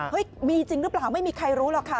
มีจริงหรือเปล่าไม่มีใครรู้หรอกค่ะ